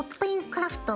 クラフト」